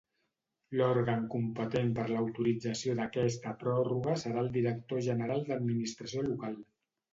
L'òrgan competent per l'autorització d'aquesta pròrroga serà el director general d'Administració Local.